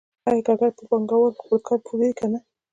آیا کارګر په پانګوال خپل کار پلوري که نه